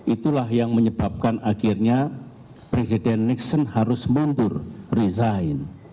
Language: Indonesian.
itulah yang menyebabkan akhirnya presiden nixon harus mundur resign